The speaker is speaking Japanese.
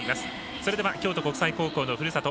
それでは京都国際高校のふるさと